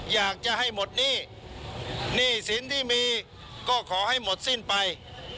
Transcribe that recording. อยากจะให้หมดหนี้หนี้สินที่มีก็ขอให้หมดสิ้นไป